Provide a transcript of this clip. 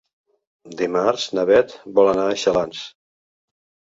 Dimarts na Beth vol anar a Xalans.